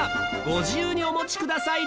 ご自由にお持ちください